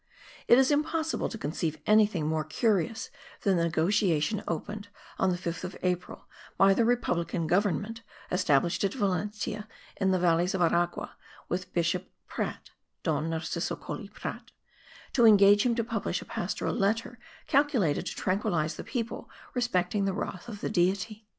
It is impossible to conceive anything more curious than the negociation opened on the 5th of April, by the republican government, established at Valencia in the valleys of Aragua, with Archbishop Prat (Don Narciso Coll y Prat), to engage him to publish a pastoral letter calculated to tranquilize the people respecting the wrath of the deity.